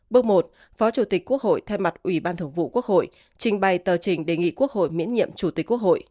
bước một phó chủ tịch quốc hội thay mặt ủy ban thường vụ quốc hội trình bày tờ trình đề nghị quốc hội miễn nhiệm chủ tịch quốc hội